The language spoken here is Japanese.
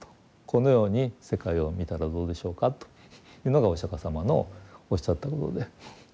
このように世界を見たらどうでしょうかというのがお釈迦様のおっしゃったことで。